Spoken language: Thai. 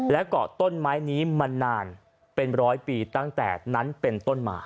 และเกาะต้นไม้นี้มานานเป็นร้อยปีตั้งแต่นั้นเป็นต้นมา